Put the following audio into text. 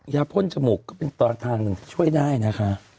พ่นจมูกก็เป็นตอนทางหนึ่งที่ช่วยได้นะคะ